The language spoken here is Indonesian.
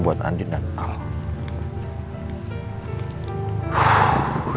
buat andi dan al